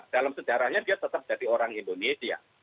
dalam sejarahnya dia tetap jadi orang indonesia